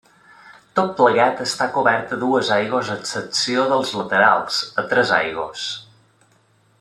Tot plegat està cobert a dues aigües a excepció dels laterals, a tres aigües.